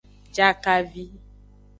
Jakavi.